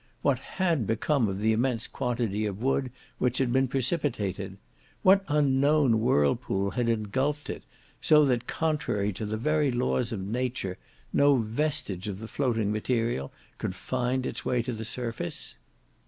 What had become of the immense quantity of wood which had been precipitated? What unknown whirlpool had engulphed it, so that, contrary to the very laws of nature, no vestige of the floating material could find its way to the surface?